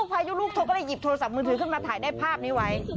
พายุลูกเธอก็เลยหยิบโทรศัพท์มือถือขึ้นมาถ่ายได้ภาพนี้ไว้